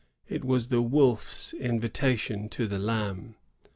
It was the wolf's invitation to the lamb.